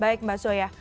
baik mbak zoya